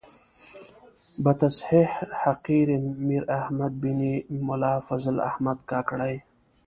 بتصحیح حقیر میر احمد بن ملا فضل احمد کاکړي.